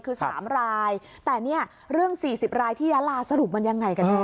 คือ๓รายแต่เนี่ยเรื่อง๔๐รายที่ยาลาสรุปมันยังไงกันแน่